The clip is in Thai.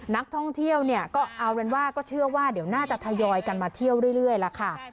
นักท่องเที่ยวเนี่ยก็เอาเป็นว่าก็เชื่อว่าเดี๋ยวน่าจะทยอยกันมาเที่ยวเรื่อยล่ะค่ะ